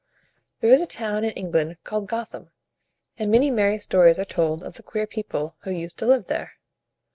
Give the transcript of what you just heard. There is a town in England called Go tham, and many merry stories are told of the queer people who used to live there.